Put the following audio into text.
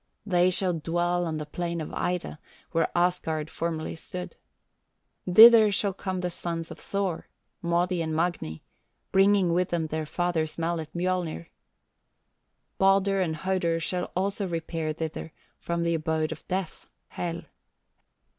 They shall dwell on the plain of Ida, where Asgard formerly stood. Thither shall come the sons of Thor, Modi and Magni, bringing with them their father's mallet Mjolnir. Baldur and Hodur shall also repair thither from the abode of death (Hel).